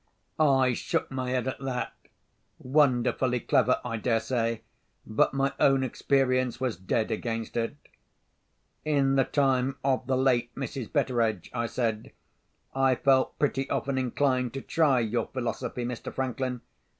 I shook my head at that. Wonderfully clever, I dare say, but my own experience was dead against it. "In the time of the late Mrs. Betteredge," I said, "I felt pretty often inclined to try your philosophy, Mr. Franklin.